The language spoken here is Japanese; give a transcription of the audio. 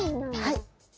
はい。